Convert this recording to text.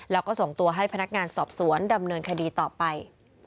แล้วก็ส่งตัวให้พนักงานสอบสวนดำเนินคดีต่อไป